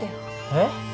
えっ？